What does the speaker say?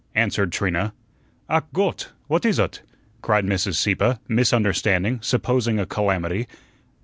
answered Trina. "Ach Gott! What is ut?" cried Mrs. Sieppe, misunderstanding, supposing a calamity.